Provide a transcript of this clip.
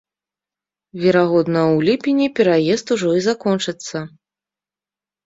Верагодна, у ліпені пераезд ужо і закончыцца.